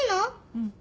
うん。